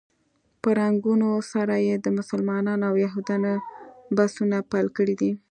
په رنګونو سره یې د مسلمانانو او یهودانو بسونه بېل کړي دي.